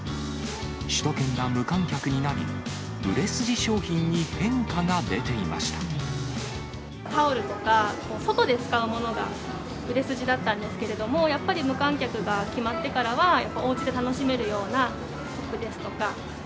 首都圏が無観客になり、タオルとか、外で使うものが売れ筋だったんですけれども、やっぱり無観客が決まってからは、おうちで楽しめるようなコップですとか。